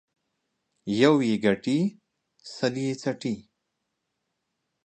يو يې گټي ، سل يې څټي.